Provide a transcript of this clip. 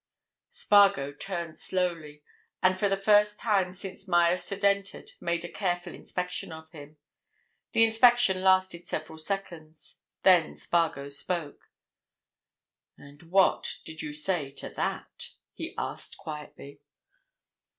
Spargo turned slowly, and for the first time since Myerst had entered made a careful inspection of him. The inspection lasted several seconds; then Spargo spoke. "And what did you say to that?" he asked quietly.